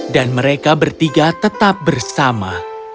dan mereka bertiga tetap bersama